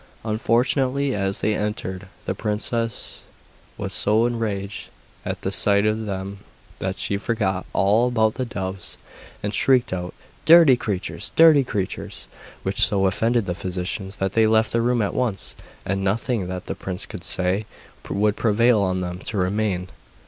Unfortunately, as they entered, the princess was so enraged at the sight of them that she forgot all about the doves, and shrieked out: 'Dirty creatures! dirty creatures!' which so offended the physicians that they left the room at once, and nothing that the prince could say would prevail on them to remain.